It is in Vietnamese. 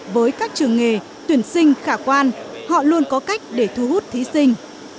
với các trường nghề tuyển sinh khả quan họ luôn có cách để thu hút thí sinh